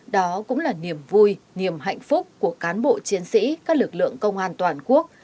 đó cũng là niềm vui niềm hạnh phúc của cán bộ chiến sĩ các lực lượng công an toàn quốc